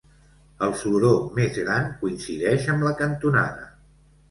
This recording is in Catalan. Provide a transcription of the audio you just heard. El floró més gran coincideix amb la cantonada.